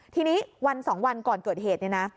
ทีนี้วัน๒วันก่อนเกิดเหตุเนี่ยนะ